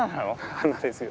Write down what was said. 花ですよ。